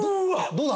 どうだ？